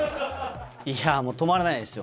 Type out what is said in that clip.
いやー、もう止まらないですよ。